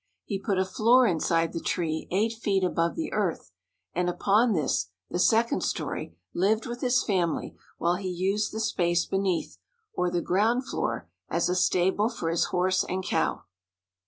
He put a floor in side the tree eight feet above the earth, and upon this, the second story, lived with his family, while he used the space beneath, or the ground floor, as a stable for his horse and cow.